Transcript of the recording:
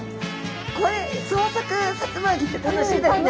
これ創作さつま揚げって楽しいですね。